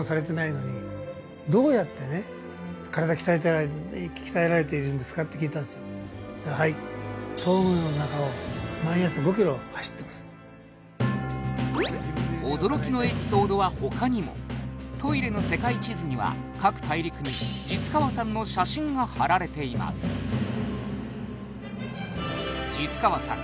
「どうやってね」「体鍛えられているんですか？」って聞いたんですよそしたら「はい」驚きのエピソードは他にもトイレの世界地図には各大陸に實川さんの写真が貼られています實川さん